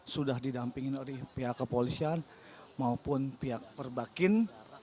sudah didampingi oleh pihak kepolisian maupun pihak perbakin